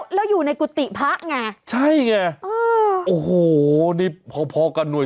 แล้วอยู่ในกุฏิพระไงใช่ไงเออโอ้โหนี่พอพอกับหน่วย